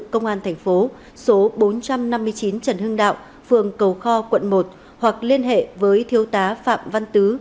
công an thành phố số bốn trăm năm mươi chín trần hưng đạo phường cầu kho quận một hoặc liên hệ với thiếu tá phạm văn tứ